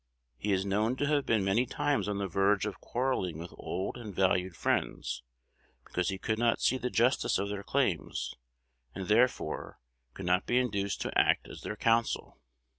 He is known to have been many times on the verge of quarrelling with old and valued friends, because he could not see the justice of their claims, and, therefore, could not be induced to act as their counsel.